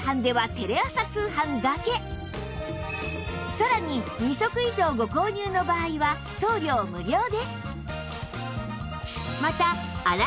さらに２足以上ご購入の場合は送料無料です